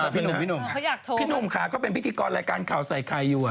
พี่หนุ่มค่ะเขาเป็นพิธีกรรายการข่าวใส่ใครอยู่